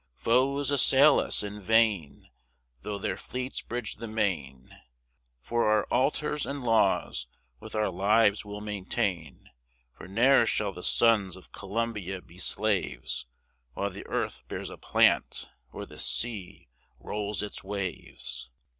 Foes assail us in vain, Though their fleets bridge the main, For our altars and laws with our lives we'll maintain. For ne'er shall the sons of Columbia be slaves, While the earth bears a plant, or the sea rolls its waves.